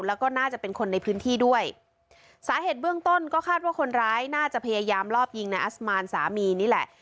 แล้วก็น่าจะเป็นคนในพื้นที่ด้วยสาเหตุเบื้องต้นก็คาดว่าคนร้ายน่าจะพยายามลอบยิงนายอัสมานสามีนี่แหละ